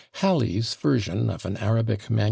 Halley's version of an Arabic MS.